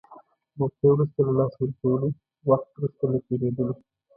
موقعه وروسته له لاسه ورکولو، وخت وروسته له تېرېدلو.